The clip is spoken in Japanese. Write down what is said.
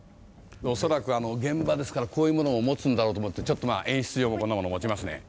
恐らく現場ですからこういうものを持つんだろうと思ってちょっとまあ演出上もこんなもの持ちますね。